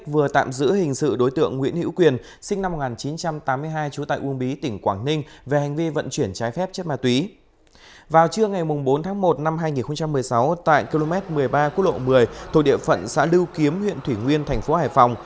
vừa trưa ngày bốn tháng một năm hai nghìn một mươi sáu tại km một mươi ba quốc lộ một mươi thuộc địa phận xã lưu kiếm huyện thủy nguyên thành phố hải phòng